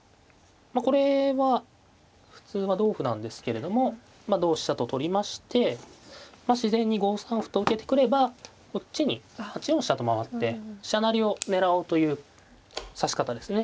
これは普通は同歩なんですけれども同飛車と取りまして自然に５三歩と受けてくればこっちに８四飛車と回って飛車成を狙おうという指し方ですね。